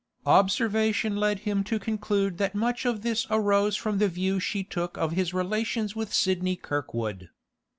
Observation led him to conclude that much of this arose from the view she took of his relations with Sidney Kirkwood.